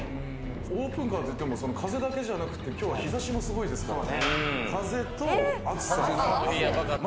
オープンカーって、風だけじゃなくて、今日は日差しもすごいですから。